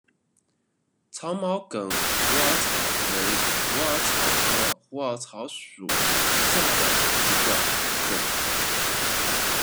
长毛梗虎耳草为虎耳草科虎耳草属下的一个种。